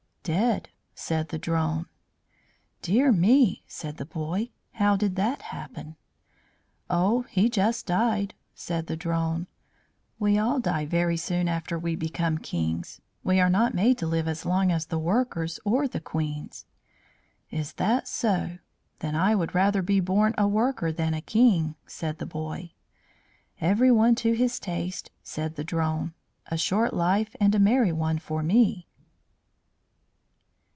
"Dead!" said the drone. "Dear me!" said the boy. "How did that happen?" "Oh, he just died," said the drone. "We all die very soon after we become kings. We are not made to live as long as the workers or the queens." "Is that so? Then I would rather be born a worker than a king," said the boy. "Everyone to his taste," said the drone. "A short life and a merry one for me."